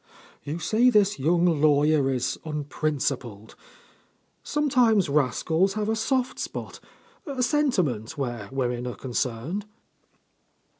"You say this young lawyer is un principled? Sometimes rascals have a soft spot, a sentiment, where women are concerned."